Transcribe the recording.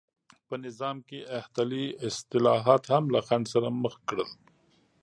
په نظام کې احتلي اصلاحات هم له خنډ سره مخ کړل.